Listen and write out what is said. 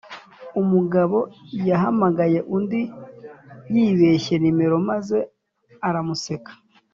umugabo yahamagaye undi yibeshye numero maze aramuseka